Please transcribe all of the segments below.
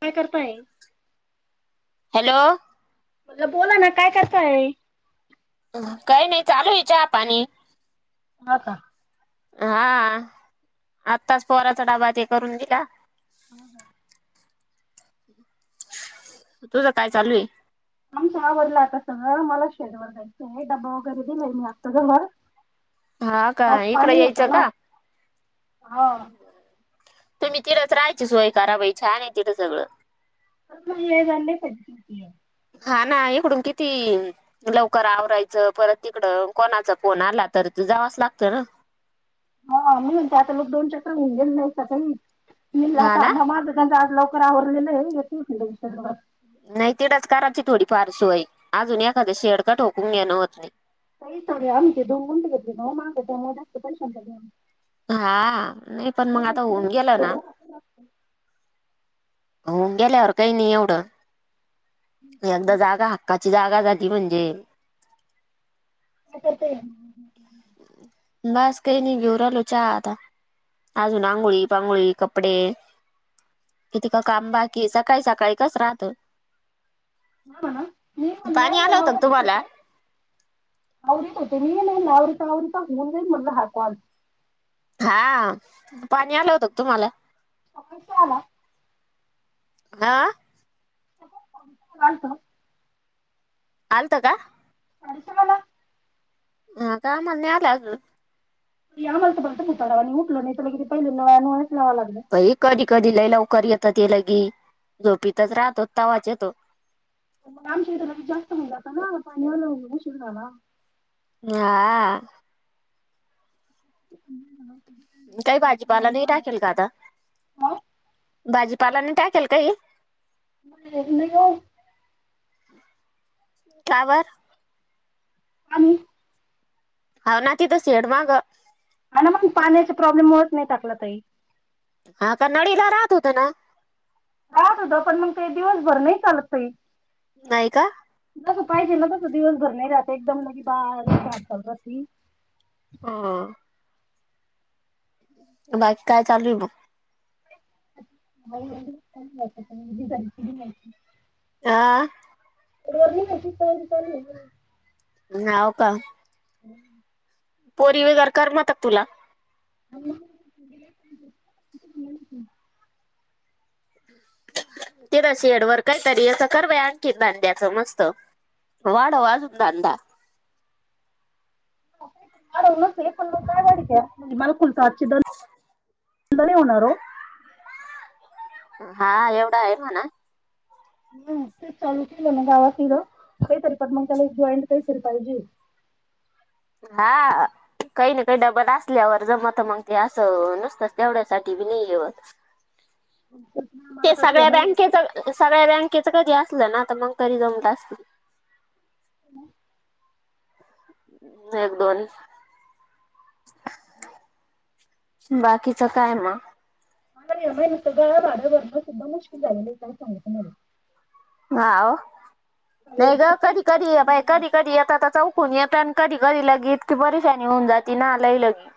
काय करताय. हॅलो! म्हनलं बोला ना काय करताय तुम्ही? काही नाही चालूय चहा पाणी. हा का. हा. आत्ताच पोराचा डब्बा तेन करून दिला. हो. तुझं काय चालू आहे. आमचं आवरला आता सगळं मला शेडवर जा्यायचं ड्बा वगैरे दिला मी आता ग म हा का इकडं यायचं ना का? हा तुम्ही तिथच राहायची सोय करा बाई छान नाही तिथं सगळं. मजने कतीय [inaudible] हा ना इकडुन किती. लवकर आवरायचं परत तिकड कोणाचा फोन आला तर तू जावाच लागतं ना. हा मी म्हते आता मग दोन चकर गेल हा ना [inaudible] आवडेल हे येतील [inaudible] नाही तीतच कराची थोडीफार सोय अजून एखाद शेड का ठोकून घेणं होत नाही. पैच रे आमचे दोु घले माग जास्त पैशां [inaudible] हा नाही पण मग आता होऊन गेलं ना. होऊन गेल्यावर काही नाही एवढं. यंदा जागा हक्काची जागा झाली म्हणजे काय करतय हे? बस काही नाही घेऊन राहीलो चहा आता. अजून आगोळी पांगोळी, कपडे किती का काम बाकी आहे. सकाळी सकाळी कस राहत. हा ना मी म्हणल, पाणी मी आलं होतं का आवारातच तुम्हाला होते. आवरत होते मी. आन आवरीत आवरीत होऊन जाईल म्हणलं हा कॉल. हाव पाणी आलं होतं का तुम्हाला?. सकाळच आला. हा. आलत. आलंत का? आलत आम्हाला. हा का आम्हाला नाही आल अजून. या म्हणतं आ मला तर बोलत आणि उठलं नाही तरग क ते पहिलं नळाला यावं लागलं. बाइ कधी कधी लय लवकर येत ते लगी झोपीतच राहतो तवाच येतो. आमच्या इथ जास्त होऊ जातना पाण्याला हो म्हणून उशीर झाला. हा. काही भाजीपाला पाणी नाही आलं. टाकेल का आता? हो? भाजीपाला नाही टाकेल काही? [unintelligible] का व. आणि हाव ना तिथं शेड माग. म्हणाले की मग पाण्याचा प्रॉब्लेम मुळ नाही टाकल काही. हा. कन्नडीला राहत होत ना? राहत होत पण मग काही दिवसभर नाही चालत काही. नाही का? जस पाहिजे ना, तसं दिवसभर नाही राहत. एकदम बारिक राहती. ह. बाकी काय चालूय मग? [unintelligible] आ. रोरनी नक्की तयारी चालू आहे म्हणल? नाव का. हम. पोरी वगैर करमत का तुला? हम. ह. तिला शेडवर काहीतरी असं करव्हय आणखी दांड्याचं मस्त. वाढव आजून धंदा. वाढवू नक्की. पण काय वाढीव म्हणजे मला कुलता आजच दर लई होणार वो. हा एवढा आहे म्हणा. हम्म ते चालू केलं ना गावापुढं. काहीतरी पण मग त्याला जॉईंट काहीतरी पाहिजे. हां. काही ना काही डबल असल्यावर जमतं मग ते असं नुसतंच तेवढ्यासाठी बी नाही हे होत. मला ते तर आता या सगळ्या महिन्यात बँकेचं अ सगळ्या बँकेचं कधी असलं ना तर मग घरी जाऊन [unintelligible] [unintelligible] एक दोन. बाकीचं काय म? [unintelligible] भाडं भरणं सुद्धा मुश्किल झालेलं आहे काय सांगु तुम्हाला. हाव नाही गं कधी कधी या बायका बी कधी येतात चौ कुणी येतं आणि कधी कधी ल इतकी परेशानी होऊन जाती ना लय लगी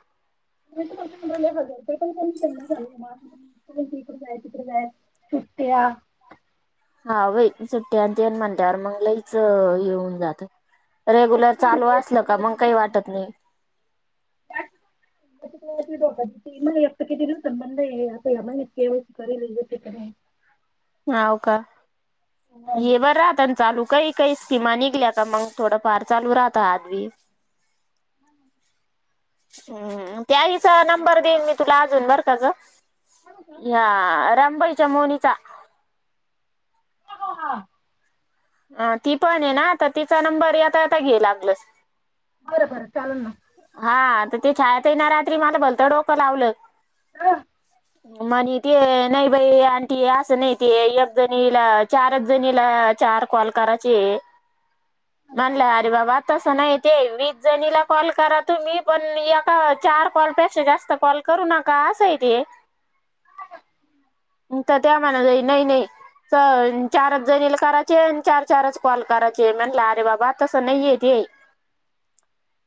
[inaudible] इकडं जात तिकडं जाय सुट्ट्या हां बाई सुट्ट्या आणि ते म्हणल्यावर मंग लयच हे होऊन जातं. रेग्युलर चालू असलं का तिकडे मग काही डोक्यात वाटत नाही. [unintelligible] किती डोकदुखी मला एकतर किती दिवसांनी बंद आहे, [unintelligible] म्हणे के वाया सी करेला येतंय काय नाही. हाव का? ये बरं आतान चालू काही काही स्कीमा निघल्या तर मग थोडंफार चालू राहतं हातबी. हम्म त्याहीचा नंबर देईन मी तुला अजून बरं का गं! बरं या रामबाईच्या मोनीचा. आ अ ती पण हे ना आता तिचा नंबर येता येता घे लागलंस. बरं बरं चाललं ना. हां आता ते छायाताईन रात्री मला भलतं डोकं लावलं. हा म्हणी ते नाही बाई आणि ते असं नाही ते एक जणीला चारच जणीला चार कॉल कराचे. [inaudible] म्हणलं अरे बाबा तसं नाही ते वीस जणीला कॉल करा तुम्ही पण एका चार कॉलपेक्षा जास्त काॅल करू नका असं आहे ते. तर त्या म्हणते नाही नाही. च चारच जणील करायचे आणि चार चारचं कॉल करायचे म्हटलं अरे बाबा तसं नाहीये ते.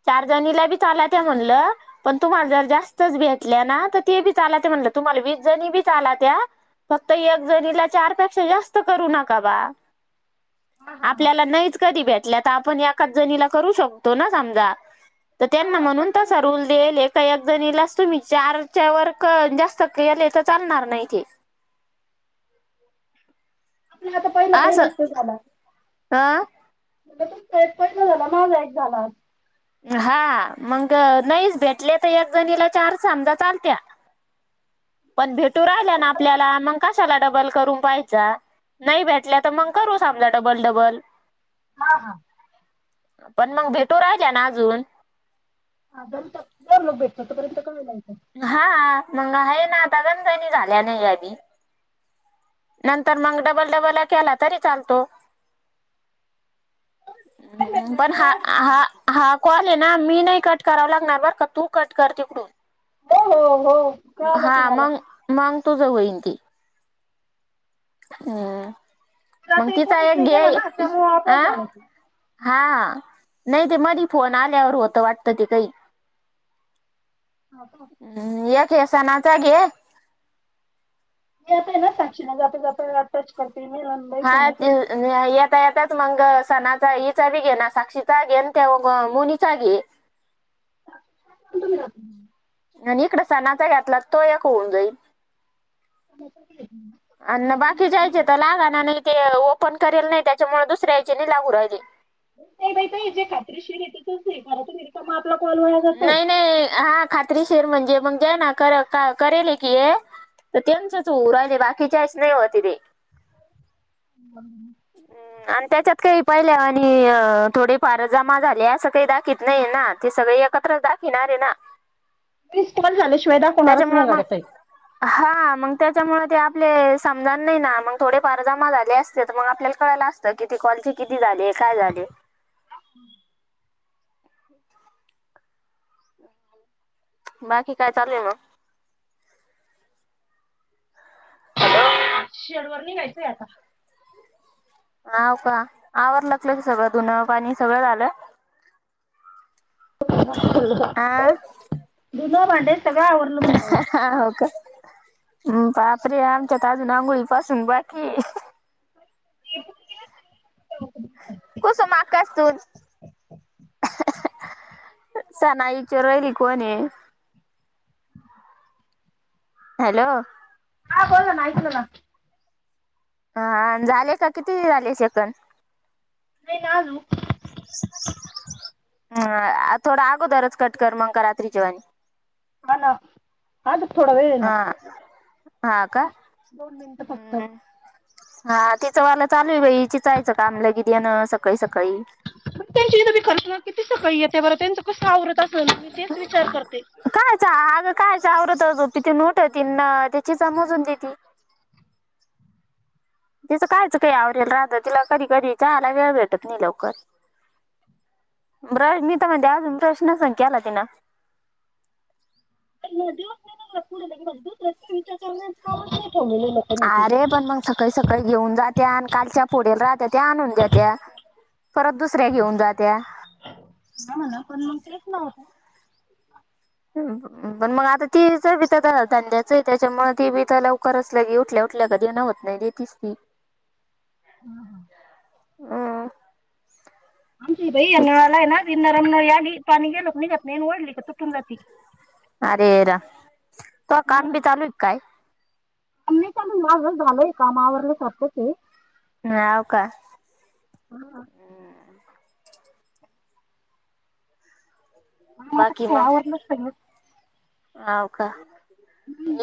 चार जणीला बी चालते म्हणलं. पण तुम्हाला जर जास्तच भेटल्या ना तर ते बी चालतं म्हणलं तुम्हाला वीस जणी बी चालत्या फक्त एक जणीला चारपेक्षा जास्त करू नका बा. हा हा हा आपल्याला नाहीच कधी भेटल्या तर आपण एकाच जणीला करू शकतो ना समजा तर त्यांना हा म्हणून चालेल ना तसा रुल देईले. क एक जणीलाच तुम्ही चारच्या वर क जास्त केले तर चालणार नाही ते. ती आता पहिलं पहिलं [unintelligible] झाला. आ [unintelligible] माझा एक झाला होता. हां मंग नाहीच भेटले तर एक जणीला चार समजा चालत्या. पण भेटू राहिल्या ना आपल्याला मंग कशाला डबल करून पाहायचा? नाही भेटल्या तर मंग करू समजा डबल डबल. हां हां. पण मंग भेटू राहिल्या ना अजून [unintelligible] हां मंग आहे ना आता [unintelligible] झाल्या नाही अबी नंतर मग डबल डबल केला तरी चालतो. [unintelligible] भेटणार पण करा आठ मिनिटं. हा-हा-हा कॉल ना मी नाही कट करावं लागणार बरं का तू कट कर तिकडून. हो-हो. हा मंग-मंग तुझं होईन ते. हम्म मग रात्री तिचा कोणीच एक नाही घे गेला ना त्यामुळं अ आपोआप झालं ते हा नाही ते मधी फोन आल्यावर होतं वाटतं ते काही. [unintelligible] हम्म एक हे सणाचा घे मी आता ना साक्षीला जाता-जाता टच करते मी राणीबाई हा फोन ते उचलती नाही. येता येताच मग सणाचा हिचा बी घे साक्षीचा घेन ते मोनिचा घे. [unintelligible] अन इकडे सणाचा घेतला तो ऐक होऊन जाईल. कोणाला अन काही नाही फ्री. बाकीच्याचे त लागा ना नाही ते ओपन करेल नाही त्याच्यामुळे दुसऱ्याचे नाही लागू राहिले. नाही बाई ताई जे खात्रीशीर तिथेच सही करा तुम्ही. रिकामा आपला कॉल वाया जातो नाही-नाही हा खात्री शीर म्हणजे मग जेन्ह कर करेल की हे. त त्यांचच होऊ राहिल बाकीच्याच नाही होत ते. [unintelligible] अन त्याच्यात काही पहिल्यावाणी अ थोडेफार जमा झाले असं काही दाखत नाही ना ते सगळे एक एकत्रच दाखीवणार ना वीस कॉल झाल्याशिवाय दाखवणारच त्याच्यामुळं नाही मंग गड्या ताई हा मग त्याच्यामुळे ते आपले समजाणार नाही ना मग थोडेफार जमा झाले असते तर मग आपल्याला कळल असत किती कॉलचे किती झाले काय झाले. [unintelligible] बाकी काय चालू मग? हॅलो. शणवारी निघायचं आता. हाव का आवार की सगळं धुन पाणी सगळं झालं? हा धुण भांडे सगळं आवरलं म्हणनल. हा हो का. हम्म बापरे आमच्यात अजून आंघोळी पासून बाकी आहे. [unintelligible] कुसुमआक्काची सून सना इचारू राहिली कोण आहे? हॅलो. हा बोलला ना [unintelligible] हा झाले का किती झाले सेकंद? नाही अजून. हम्म थोडा आगोदरच कट कर मं रात्रीच्या वाणी. हाणा. अजून थोडा वेळ. हां हा का दोन मिनिटं फक्त [unintelligible] हा तिचं वाला चालू आहे बाई चिचायचं कामलंगी येणं सकाळी-सकाळी. पण त्यांची इथं बी खरंच ना किती सकाळी येते बरं त्यांच कसं आवरत असल मी तेच विचार करते. कायच आगं कायच आवरत झोपेतून उठती त्या चीचा मोजुन देती. तिचं कायचं काही आवरेल राहतं तिला कधी-कधी चहायला वेळ भेटत नाही लवकर. ब्रश मी त म्हणते, अजून ब्रश नसन केला तिनं. [unintelligible] आरे पण मंग सकाळी सकाळी घेऊन जात्या आणि कालच्या फोडेल राहत्या त्या आणून देत्या. परत दुसऱ्या घेऊन जात्या. आमाला पण मंग तेच लावता. हुं हु. पण मग आता तिचं बी त ध धंद्याचंय त्याच्यामुळे ती बि त लवकर असल्या की उठल्या उठल्या कधी न देन होत नई दि तीसरी. अं ह. अ. आमची बई नळालायनं ती नरम नळी आली, पाणी गेलं का नीघत नई अन् ओढली का तुटून जाती. अरे रा तूआ काम बी चालूय काय? अन् नईच अजुन माझं झालंय काम आवरल्यासारखंचे. ह्याव का. हा. काम आता बाकी काय मंग, आवरलं सगळं हाव का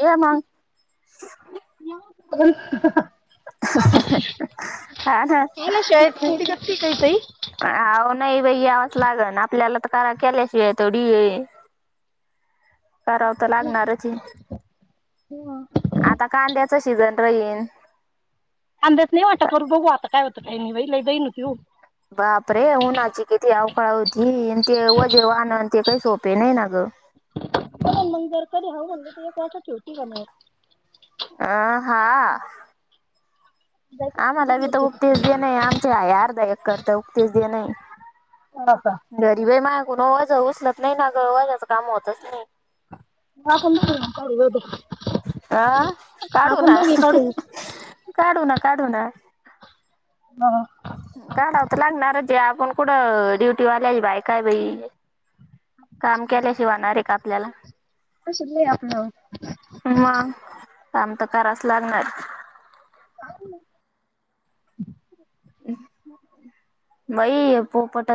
ये मंग. [inaudible] [unintelligible] [unintelligible] हा ना. ठीके तई. आव नई बई यावचं लागन आपल्याला त करा केल्याशिवाय थोडीये. कराव त लागणारचे. आता कांद्याच सीजन राईन. कांद्याचा नई वाटा करू बघू आता काय होतं काय नई बाई लई दैन होती ओ. बाप रे उन्हाची किती अवकाळा होती अण ते वजे वाहनं अन् ते काई सोपे नई ना ग. पहान मंग जर कधी हाव म्हणली त एक वाटा ठीऊ तीघं मीळुन. अ हा. जायचं दोन तीन आम्हाला बी त मिनिटं उक्तेच तिथे. देनये, आमचे आहे अर्धा एकरतं उक्तेच देनये. [unintelligible] घरी होय मायाकुन ओझं उचलत नईना ग, वझ्याच काम होतच नई. माह कडनं भरुन काढु ओझं. अं काढू ना, काढू काढू ना काढू ना. म ह. अं काढाव त लागणारचे आपण कुडं ड्युटीवाल्याई बायकाय बई. काम केल्याशि होणारेक आपल्याला. नशीब नी आपलं. मंग काम त करावच लागणारे. बाई पोपट